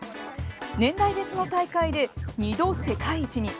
年代別の大会で、２度世界一に。